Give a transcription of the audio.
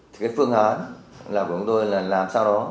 thì cái phương án là chúng tôi là làm sao đó